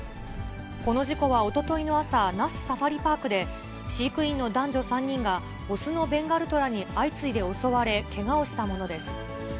この事故はおとといの朝、那須サファリパークで、飼育員の男女３人が、雄のベンガルトラに相次いで襲われ、けがをしたものです。